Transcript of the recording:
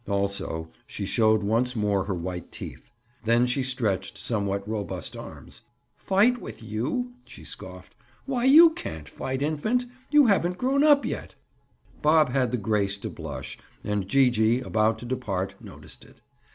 Also, she showed once more her white teeth. Then she stretched somewhat robust arms. "Fight with you?" she scoffed. "Why, you can't fight, Infant! You haven't grown up yet." Bob had the grace to blush and Gee gee, about to depart, noticed it.